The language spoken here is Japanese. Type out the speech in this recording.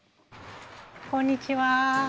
こんにちは。